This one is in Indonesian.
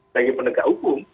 bagi penegak hukum